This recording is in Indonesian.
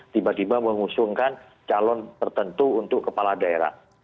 tiba tiba mengusungkan calon tertentu untuk kepala daerah